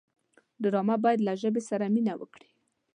ډرامه باید له ژبې سره مینه وکړي